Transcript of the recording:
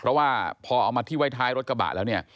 เพราะว่าพอเอามาทิ้งไว้ท้ายรถกระบะแล้วเนี่ย